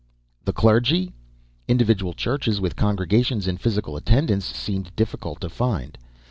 The clergy? Individual churches with congregations in physical attendance, seemed difficult to find.